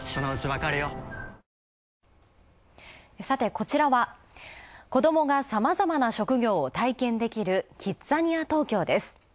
さてこちらは、子どもがさまざまな職業を体験できるキッザニア東京です。